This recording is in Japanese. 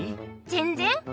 全然。